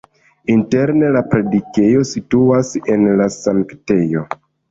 Interne la predikejo situas en la sanktejo.